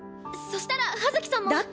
そしたら葉月さんも。